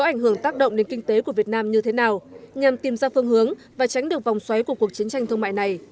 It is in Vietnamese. nhằm tìm ra phương hướng và tránh được vòng xoáy của cuộc chiến tranh thương mại này